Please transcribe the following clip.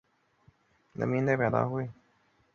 时年二十三岁。